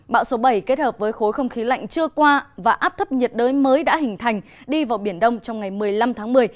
bão số bảy kết hợp với khối không khí lạnh chưa qua và áp thấp nhiệt đới mới đã hình thành đi vào biển đông trong ngày một mươi năm tháng một mươi